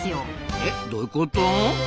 えっ？どういうこと？